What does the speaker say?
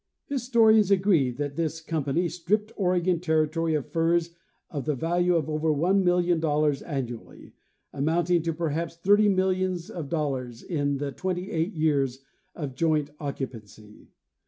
Historians agree that this company stripped Oregon territory of furs of the value of over one million dollars annually, amounting to perhaps thirty millions of dollars in the twenty eight years of joint occupancy.